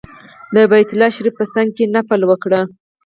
د بیت الله شریف په څنګ کې نفل وکړ.